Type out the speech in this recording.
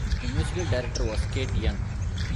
The Musical Director was Kate Young.